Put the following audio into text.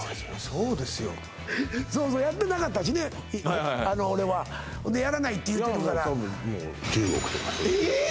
そうですよやってなかったしね俺はやらないって言うてるからえー！